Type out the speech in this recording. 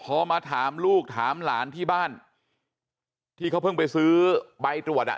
พอมาถามลูกถามหลานที่บ้านที่เขาเพิ่งไปซื้อใบตรวจอ่ะ